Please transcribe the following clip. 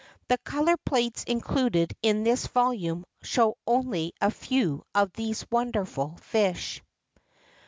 The color plates included in this volume show only a few of these wonderful fish.